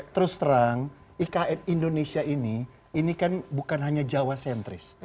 terus terang ikn indonesia ini ini kan bukan hanya jawa sentris